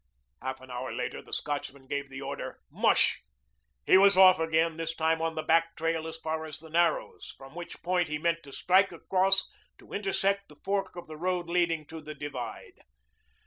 Half an hour later the Scotchman gave the order, "Mush!" He was off again, this time on the back trail as far as the Narrows, from which point he meant to strike across to intersect the fork of the road leading to the divide.